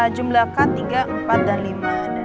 jumlah k tiga empat dan lima